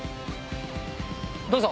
どうぞ